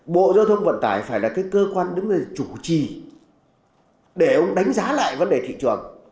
bộ giao thông vận tải phải là cơ quan đứng là chủ trì để đánh giá lại vấn đề thị trường